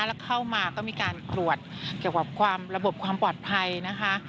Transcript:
แล้วเข้ามาก็มีการตรวจเกี่ยวกับความระบบความปลอดภัยนะคะ